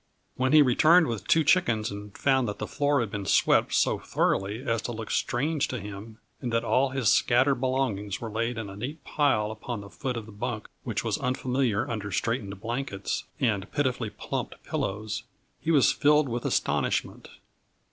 When he returned with two chickens and found that the floor had been swept so thoroughly as to look strange to him, and that all his scattered belongings were laid in a neat pile upon the foot of the bunk which was unfamiliar under straightened blankets and pitifully plumped pillows, he was filled with astonishment.